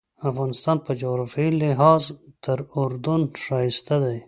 افغانستان په جغرافیوي لحاظ تر اردن ښایسته دی.